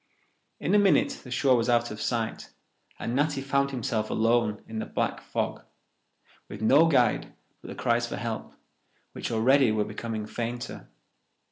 In a minute the shore was out of sight, and Natty found himself alone in the black fog, with no guide but the cries for help, which already were becoming fainter.